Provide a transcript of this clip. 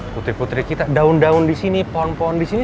putri putri kita daun daun di sini pohon pohon di sini